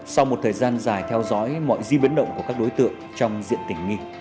sau một thời gian dài theo dõi mọi di biến động của các đối tượng trong diện tỉnh nghi